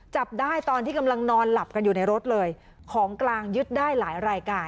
จับได้ตอนที่กำลังนอนหลับกันอยู่ในรถเลยของกลางยึดได้หลายรายการ